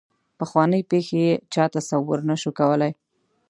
پخوانۍ پېښې یې چا تصور نه شو کولای.